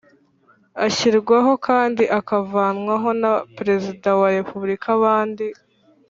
Ashyirwaho kandi avanwaho na perezida wa repubulika abandi